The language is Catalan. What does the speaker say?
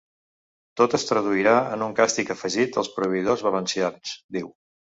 Tot es traduirà en un càstig afegit als proveïdors valencians, diu.